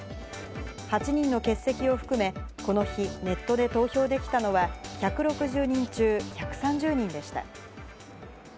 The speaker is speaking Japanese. ８人の欠席を含め、この日、ネットで投票できたのは、１６０人中１３０人でした。